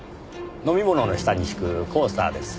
飲み物の下に敷くコースターです。